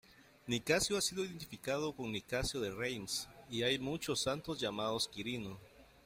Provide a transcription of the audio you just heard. Nicasio ha sido identificado con Nicasio de Reims, y hay muchos santos llamados Quirino.